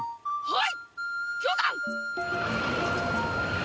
はい！